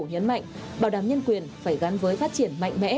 nhấn mạnh bảo đảm nhân quyền phải gắn với phát triển mạnh mẽ